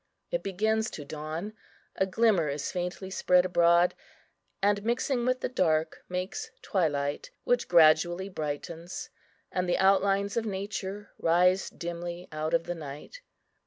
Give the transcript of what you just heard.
It begins to dawn: a glimmer is faintly spread abroad, and, mixing with the dark, makes twilight, which gradually brightens, and the outlines of nature rise dimly out of the night.